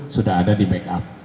sudah ada di backup